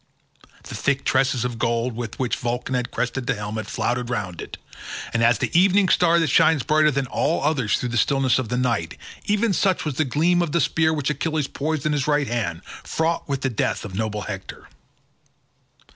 The thick tresses of gold with which Vulcan had crested the helmet floated round it, and as the evening star that shines brighter than all others through the stillness of night, even such was the gleam of the spear which Achilles poised in his right hand, fraught with the death of noble Hector.